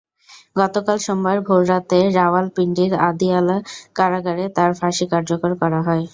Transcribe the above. গতকাল সোমবার ভোররাতে রাওয়ালপিন্ডির আদিয়ালা কারাগারে তাঁর ফাঁসি কার্যকর করা হয়।